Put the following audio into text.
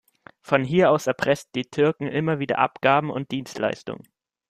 Von hier aus erpressten die Türken immer wieder Abgaben und Dienstleistungen.